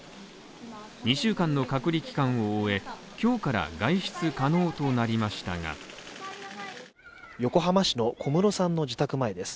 ２週間の隔離期間を終え、今日から外出可能となりましたが横浜市の小室さんの自宅前です。